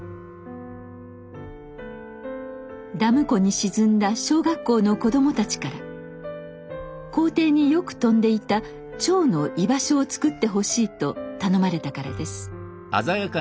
ダム湖に沈んだ小学校の子供たちから校庭によく飛んでいた蝶の居場所を作ってほしいと頼まれたからです。